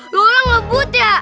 lo orang lebut ya